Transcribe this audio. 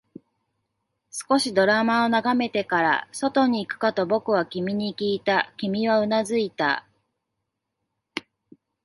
少しドラマを眺めてから、外に行くかと僕は君にきいた、君はうなずいた